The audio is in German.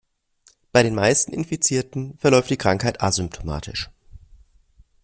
Bei den meisten Infizierten verläuft die Krankheit asymptomatisch.